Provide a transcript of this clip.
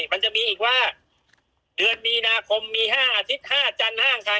มันจะมีอีกว่าเดือนมีนาคมมี๕อาทิตย์๕จันทร์ห้างใคร